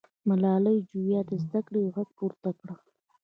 ملالۍ جویا د زده کړې غږ پورته کړ.